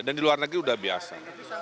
dan di luar negeri sudah biasa